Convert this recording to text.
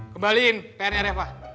kembaliin prnya deh pak